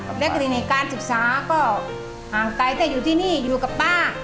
เล็กในการศึกษาก็ห่างไกลแต่อยู่ที่นี่อยู่กับป้า